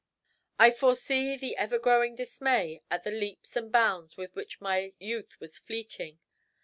I foresee the ever growing dismay at the leaps and bounds with which my youth was fleeting.